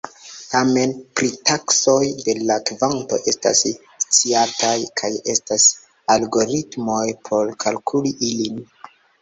Tamen, pritaksoj de la kvanto estas sciataj, kaj estas algoritmoj por kalkuli ilin.